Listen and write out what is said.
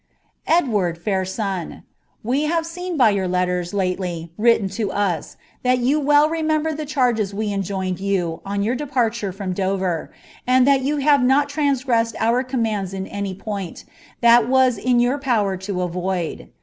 ■^ESWABB, PAIS HOB, • We have seen by your letters lately written to us, that you well remembered le cliarges we ei\joinod you on your departure from DoTer, and that you have N transgressed our commands in any point, that was in your power to avoid.